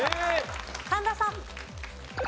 神田さん。